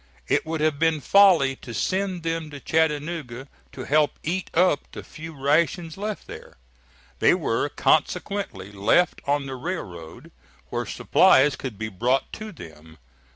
It would have been folly to send them to Chattanooga to help eat up the few rations left there. They were consequently left on the railroad, where supplies could be brought to them.